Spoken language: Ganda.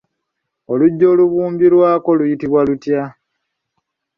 Oluggyo olubumbirwako luyitibwa lutya?